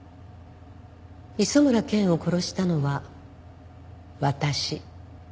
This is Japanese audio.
磯村健を殺したのは私。